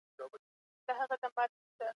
قرآن د عزت د ساتلو لارښوونې کوي.